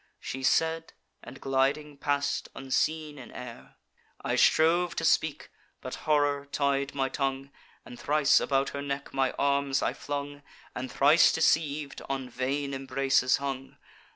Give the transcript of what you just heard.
She said, and gliding pass'd unseen in air. I strove to speak: but horror tied my tongue; And thrice about her neck my arms I flung, And, thrice deceiv'd, on vain embraces hung.